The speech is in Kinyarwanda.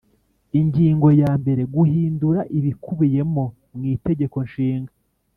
Ingingo ya mbere Guhindura ibikubiyemo mwitegeko nshinga